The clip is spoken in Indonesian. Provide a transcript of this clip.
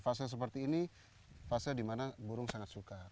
fase seperti ini fase di mana burung sangat suka